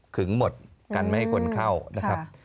หมดกันไม่ให้คนเข้านะครับ